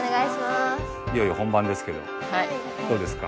いよいよ本番ですけどどうですか？